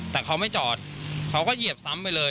แต่เขาไม่จอดเขาก็เหยียบซ้ำไปเลย